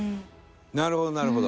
なるほどなるほど！